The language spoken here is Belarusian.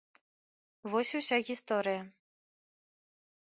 Вось і ўся гісторыя.